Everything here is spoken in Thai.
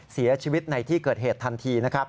เสียชีวิตในที่เกิดเหตุทันที